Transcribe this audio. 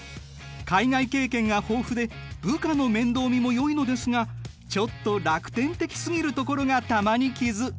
海外経験が豊富で部下の面倒見もよいのですがちょっと楽天的すぎるところが玉にきず。